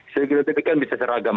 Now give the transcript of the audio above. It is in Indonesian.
jadi kita pikirkan bisa seragam